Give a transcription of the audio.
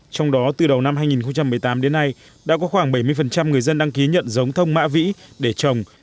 trong đó từ đầu năm hai nghìn một mươi tám đến nay đã có khoảng bảy mươi người dân đăng ký nhận giống thông mã vĩ để trồng